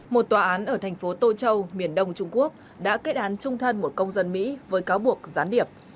một tòa án ở thành phố tô châu miền đông trung quốc đã kết án trung thân một công dân mỹ với cáo buộc gián điệp